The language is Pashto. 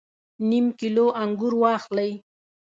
نیم کیلو انګور واخلئ